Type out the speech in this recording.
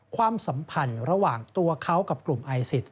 ความสัมพันธ์ระหว่างตัวเขากับกลุ่มไอซิส